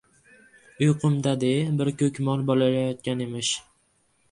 Uyqumda de, bir ko‘k mol bolalayotgan emish.